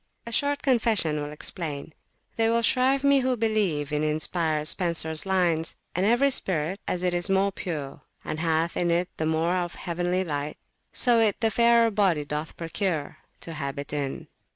A short confession will explain. They will shrive me who believe in inspired Spensers lines And every spirit, as it is more pure, And hath in it the more of heavenly light, So it the fairer body doth procure To habit in.